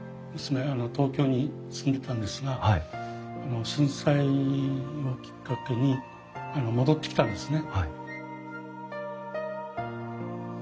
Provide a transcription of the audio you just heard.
東京に住んでたんですが震災をきっかけに戻ってきたんですね。